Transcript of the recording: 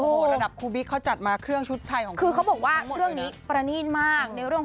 ระดับคูบิคเขาจัดมาเครื่องชุดไทยของเครื่อง